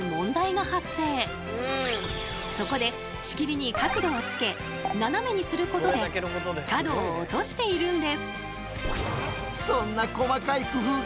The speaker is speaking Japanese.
そこで仕切りに角度をつけ斜めにすることで角を落としているんです。